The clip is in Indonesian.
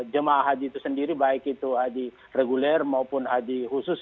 jemaah haji itu sendiri baik itu haji reguler maupun haji khusus